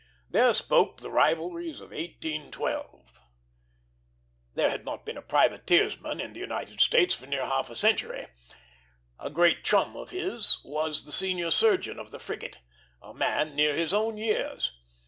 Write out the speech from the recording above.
There spoke the rivalries of 1812. There had not been a privateersman in the United States for near a half century. A great chum of his was the senior surgeon of the frigate, a man near his own years.